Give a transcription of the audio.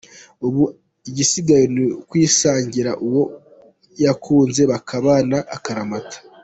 Ubu igisigaye ni ukwisangira uwo yakunze bakabana akaramata.